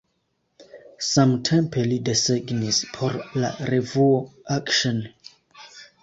Samtempe li desegnis por la revuo "Action".